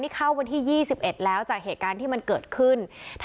เข้าเวลาที่ยี่สิบเอ็ดแล้วจากเหตุการณ์ที่มันเกิดขึ้น